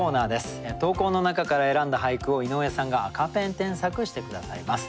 投稿の中から選んだ俳句を井上さんが赤ペン添削して下さいます。